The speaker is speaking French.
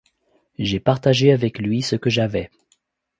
J’ai partagé avec lui ce que j’avais.